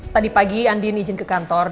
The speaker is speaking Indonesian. tadi pagi andien izin ke kantor